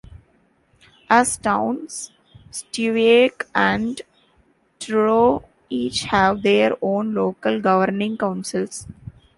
As towns, Stewiacke and Truro each have their own local governing councils.